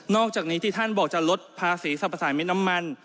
อกจากนี้ที่ท่านบอกจะลดภาษีสรรพสารเม็ดน้ำมัน